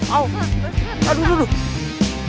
aduh aduh aduh